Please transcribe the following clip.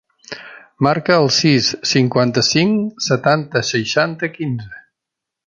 Marca el sis, cinquanta-cinc, setanta, seixanta, quinze.